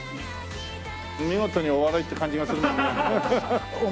見事にお笑いって感じがするしね。